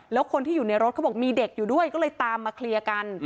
แล้วคนที่อยู่ในรถเขาบอกมีเด็กอยู่ด้วยก็เลยตามมาเคลียร์กัน